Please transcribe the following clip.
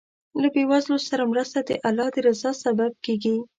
له بېوزلو سره مرسته د الله د رضا سبب کېږي.